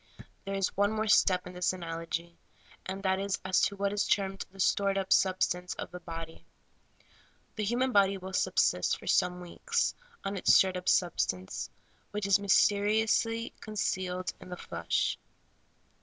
There is one more step in this analogy, and that is as to what is termed the stored up substance of the body. The human body will subsist for some weeks on its stored up substance, which is mysteriously con cealed in the flesh.